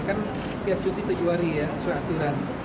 kan tiap cuti tujuh hari ya sesuai aturan